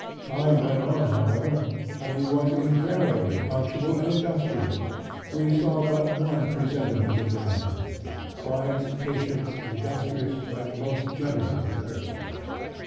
Time went on, however, and he was invariably punctual and industrious. We saw but one presentiment of the man—a quiet, patient, industrious and most gentlemanly person.